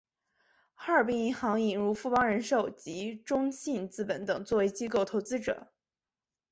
哈尔滨银行引入富邦人寿及中信资本等作为机构投资者。